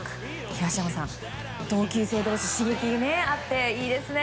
東山さん、同級生同士刺激があっていいですね。